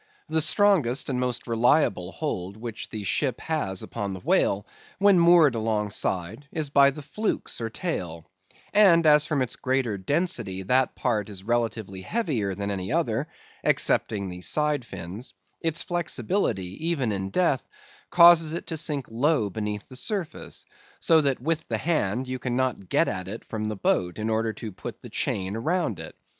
The strongest and most reliable hold which the ship has upon the whale when moored alongside, is by the flukes or tail; and as from its greater density that part is relatively heavier than any other (excepting the side fins), its flexibility even in death, causes it to sink low beneath the surface; so that with the hand you cannot get at it from the boat, in order to put the chain round it.